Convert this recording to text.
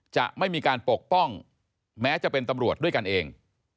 จะไม่มีการปกป้องแม้จะเป็นตำรวจด้วยกันเอง